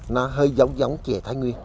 nó hơi giống giống trà thái nguyên